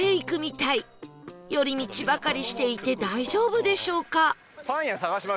寄り道ばかりしていて大丈夫でしょうか？